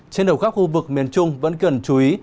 trên đầu khắp khu vực miền trung vẫn cần chú ý